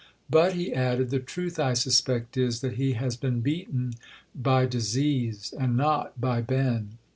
But," he added, "the truth, I suspect, is that he has been beaten by disease, and not by Ben."